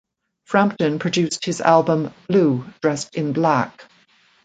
Frampton produced his album "Blue, Dressed in Black".